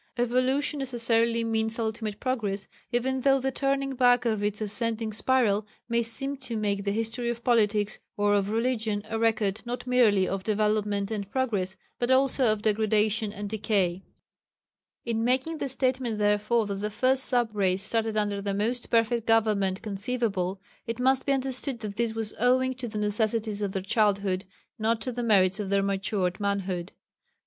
Evolution necessarily means ultimate progress, even though the turning back of its ascending spiral may seem to make the history of politics or of religion a record not merely of development and progress but also of degradation and decay. In making the statement therefore that the 1st sub race started under the most perfect government conceivable, it must be understood that this was owing to the necessities of their childhood, not to the merits of their matured manhood.